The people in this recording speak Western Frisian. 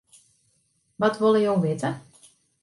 Wat wolle jo witte?